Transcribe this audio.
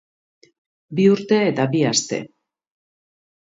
Bi urte eta bi aste.